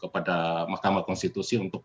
kepada mahkamah konstitusi untuk